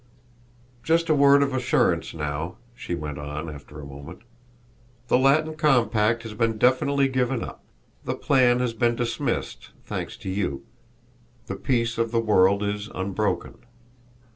'" "Just a word of assurance now," she went on after a moment. "The Latin compact has been definitely given up; the plan has been dismissed, thanks to you; the peace of the world is unbroken.